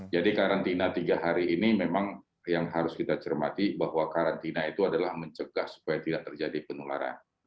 jadi karantina tiga hari ini memang yang harus kita cermati bahwa karantina itu adalah mencegah supaya tidak terjadi penularan